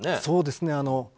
そうですね。